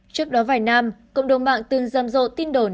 trước đó vài năm cộng đồng mạng từng rầm rộ tin đồn